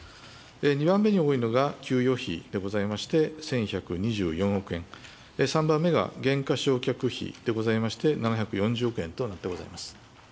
２番目に多いのが給与費でございまして１１２４億円、３番目が減価償却費でございまして７４０億円となってございます。